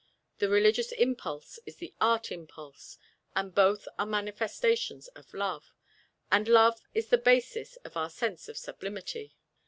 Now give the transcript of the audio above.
The religious impulse is the art impulse, and both are manifestations of love, and love is the basis of our sense of sublimity.